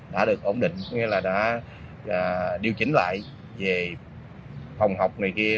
đã được ổn định có nghĩa là đã điều chỉnh lại về phòng học này kia